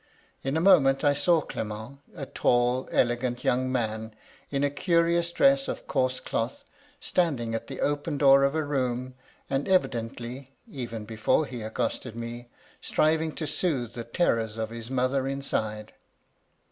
In a moment I saw Clement — a tall, elegant young man, in a curious dress of coarse cloth, standing at the open door of a room, and evidently — even before he accosted me — striving to soothe the terrors of his mother inside.